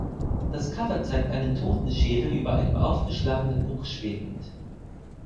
Das Cover zeigt einen Totenschädel über einem aufgeschlagenen Buch schwebend.